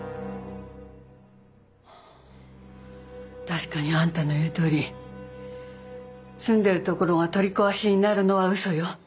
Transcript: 確かにあんたの言うとおり住んでるところが取り壊しになるのは嘘よ。